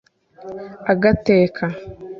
agateka